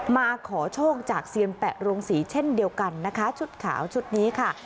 มาขอโชคจากเซียนแปะโรงศรีเช่นเดียวกันนะคะชุดขาวชุดนี้ค่ะ